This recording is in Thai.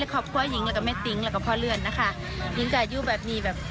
และขอบคุณกับหญิงและกับแม่ติ๊งและกับพ่อเรือนนะคะยิงก็อยู่แบบนี้แบบ